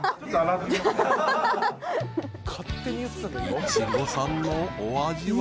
［いちごさんのお味は］